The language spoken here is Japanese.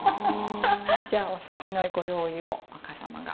じゃあお酒のご用意を若さまが。